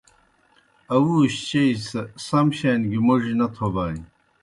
اَوُوشِیْ چیئی سہ سم شان گیْ موڙیْ نہ تھوبانیْ۔